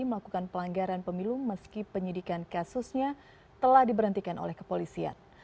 melakukan pelanggaran pemilu meski penyidikan kasusnya telah diberhentikan oleh kepolisian